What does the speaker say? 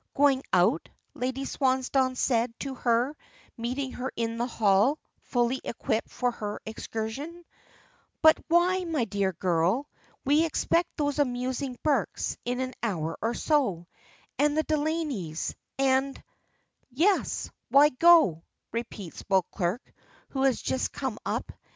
"Going out?" Lady Swansdown had said to her, meeting her in the hall, fully equipped for her excursion. "But why, my dear girl? We expect those amusing Burkes in an hour or so, and the Delaneys, and " "Yes, why go?" repeats Beauclerk, who has just come up.